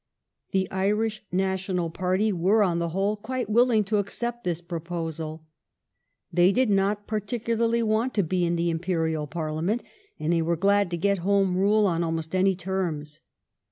The Irish National party were, on the whole, quite willing to accept this pro posal. They did not particularly want to be in the Imperial Parliament, and they were glad to get Home Rule on almost any terms.